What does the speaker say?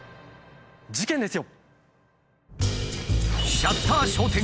事件ですよ。